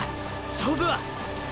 勝負は！！